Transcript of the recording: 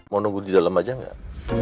mau nunggu di dalam aja nggak